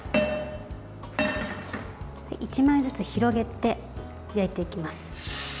１枚ずつ広げて焼いていきます。